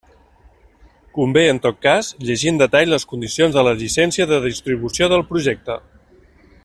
Convé en tot cas llegir en detall les condicions de la llicència de distribució del projecte.